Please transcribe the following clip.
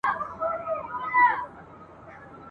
د پېریانانو ښار ..